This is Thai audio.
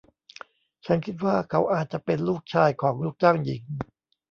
ฉันคิดว่าเขาอาจจะเป็นลูกชายของลูกจ้างหญิง